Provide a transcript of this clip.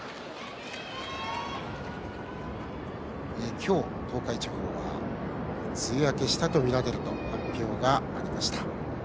今日、東海地方は梅雨明けしたと見られるという発表がありました。